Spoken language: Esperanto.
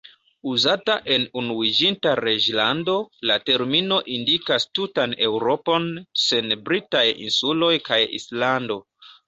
Uzata en Unuiĝinta Reĝlando, la termino indikas tutan Eŭropon, sen Britaj Insuloj kaj Islando.